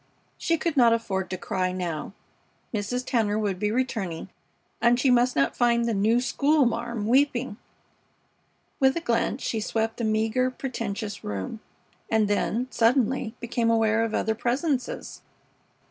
She could not afford to cry now. Mrs. Tanner would be returning, and she must not find the "new schoolma'am" weeping. With a glance she swept the meager, pretentious room, and then, suddenly, became aware of other presences.